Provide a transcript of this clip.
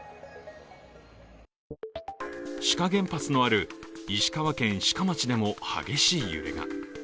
志賀原発のある石川県志賀町でも激しい揺れが。